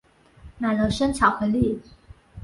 买了生巧克力